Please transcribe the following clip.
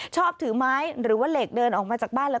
ชอบถือไม้หรือว่าเหล็กเดินออกมาจากบ้านเลย